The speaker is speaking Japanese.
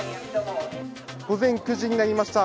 午前９時になりました、